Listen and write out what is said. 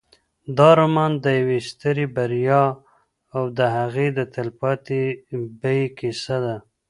دا رومان د یوې سترې بریا او د هغې د تلپاتې بیې کیسه ده.